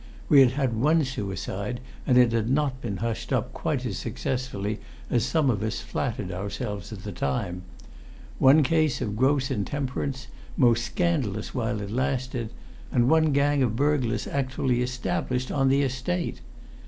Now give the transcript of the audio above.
We had had one suicide, and it had not been hushed up quite as successfully as some of us flattered ourselves at the time; one case of gross intemperance, most scandalous while it lasted, and one gang of burglars actually established on the Estate.